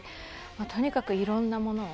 とにかく、いろんなものを。